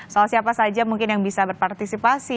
soal siapa saja mungkin yang bisa berpartisipasi